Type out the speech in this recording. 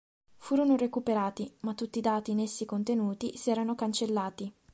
Furono recuperati, ma tutti i dati in essi contenuti si erano cancellati.